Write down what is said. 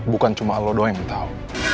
bukan cuma lo doang yang tau